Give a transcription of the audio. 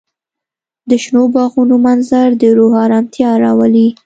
د شنو باغونو منظر د روح ارامتیا راولي.